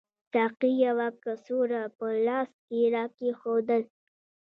ساقي یوه کڅوړه په لاس کې راکېښودل.